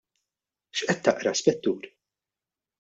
X'qed taqra, Spettur?